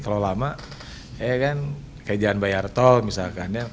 kalau lama kayak jalan bayar tol misalkan